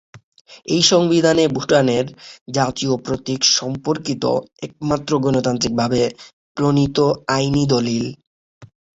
এই সংবিধান ভুটানের জাতীয় প্রতীক সম্পর্কিত একমাত্র গণতান্ত্রিকভাবে প্রণীত আইনি দলিল।